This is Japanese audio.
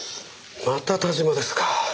また田島ですか。